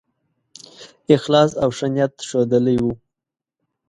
اخلاص او ښه نیت ښودلی وو.